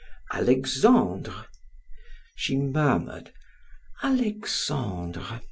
"Alexandre." She murmured "Alexandre!"